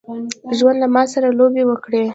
ژوند له ماسره لوبي وکړي.